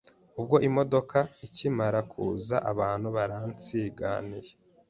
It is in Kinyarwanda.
ubwo imodoka ikimara kuza abantu baransiganiye